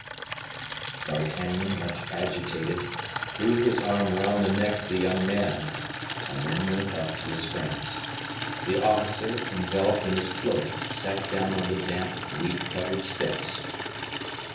D'Artagnan, much agitated, threw his arm round the neck of the young man, and then went up to his friends. The officer, enveloped in his cloak, sat down on the damp, weed covered steps.